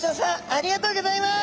ありがとうございます。